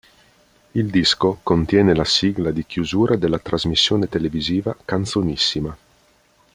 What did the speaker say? Il disco contiene la sigla di chiusura della trasmissione televisiva "Canzonissima".